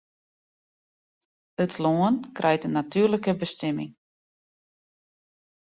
It lân krijt in natuerlike bestimming.